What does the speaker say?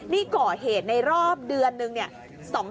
นี่ก่อเหตุในรอบเดือนนึงเนี่ย